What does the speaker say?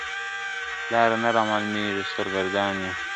لاره نه را معلومیږي سرګردان یم !.